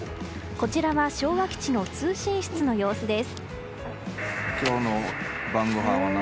こちらは昭和基地の通信室の様子です。